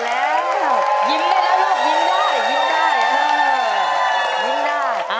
แล้วยิ้มได้แล้วลูกยิ้มได้ยิ้มได้ยิ้มได้